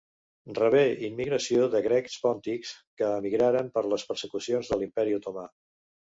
Rebé immigració de grecs pòntics que emigraren per les persecucions de l'Imperi Otomà.